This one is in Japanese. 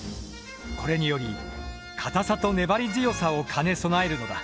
これにより硬さと粘り強さを兼ね備えるのだ。